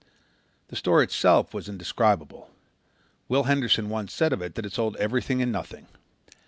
The store itself was indescribable. Will Henderson once said of it that it sold everything and nothing.